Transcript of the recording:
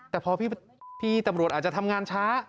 แต่พอพี่ตำรวจอาจจะทำงานช้า